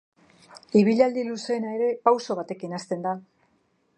Ibilaldi luzeena ere pauso batekin hasten da.